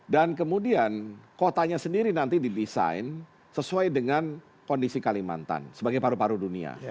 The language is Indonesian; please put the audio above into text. dan kemudian kotanya sendiri nanti didesain sesuai dengan kondisi kalimantan sebagai paru paru dunia